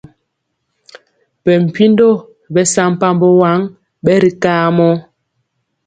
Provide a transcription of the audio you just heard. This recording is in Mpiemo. Bɛ mpindo besampabó waŋ bɛri kamɔ.